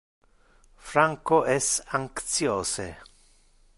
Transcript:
Franco es anxiose.